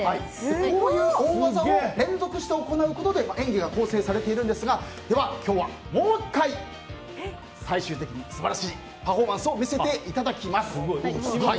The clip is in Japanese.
こういう大技を連続して行うことで演技が構成されているんですがでは今日はもう１回、最後に素晴らしいパフォーマンスを見せていただきます。